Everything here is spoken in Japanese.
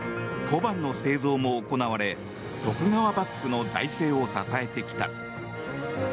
小判の製造も行われ徳川幕府の財政を支えてきた。